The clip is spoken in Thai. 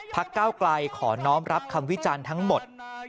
ก้าวไกลขอน้องรับคำวิจารณ์ทั้งหมด